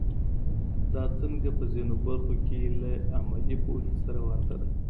دا څانګه په ځینو برخو کې له عملي پوهې سره ورته ده.